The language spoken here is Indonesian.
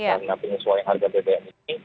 karena penyesuaian harga bbm ini